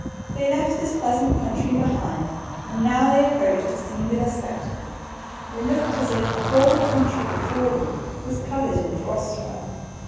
They left this pleasant country behind, and now they approached a singular spectacle. It looked as if the whole country before them was covered with frost work.